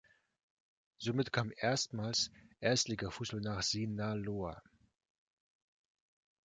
Somit kam erstmals Erstligafußball nach Sinaloa.